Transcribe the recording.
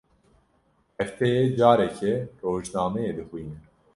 Hefteyê carekê rojnameyê dixwîne.